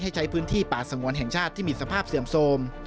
ใช้พื้นที่ป่าสงวนแห่งชาติที่มีสภาพเสื่อมโทรม